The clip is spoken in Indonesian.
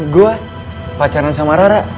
gue pacaran sama rara